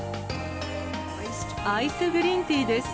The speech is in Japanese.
アイスグリーンティーです。